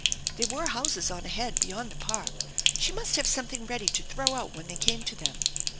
There were houses on ahead beyond the park. She must have something ready to throw out when they came to them.